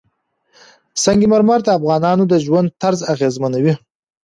سنگ مرمر د افغانانو د ژوند طرز اغېزمنوي.